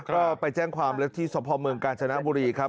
ก็ไปแจ้งความแล้วที่สพเมืองกาญจนบุรีครับ